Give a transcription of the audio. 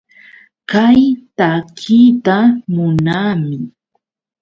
Kay takiyta munaami.